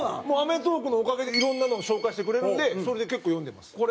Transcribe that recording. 『アメトーーク』のおかげでいろんなのを紹介してくれるんでそれで結構読んでます。